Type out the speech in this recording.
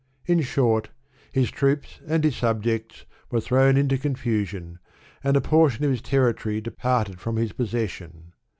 In short, his troops and his subjects were thrown into confusion, and a portion of his territory departed from his posses sion.